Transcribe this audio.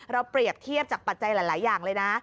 เปรียบเทียบจากปัจจัยหลายอย่างเลยนะ